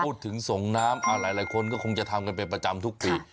พูดถึงส่งน้ำหลายคนก็คงจะทำกันเป็นประจำทุกปี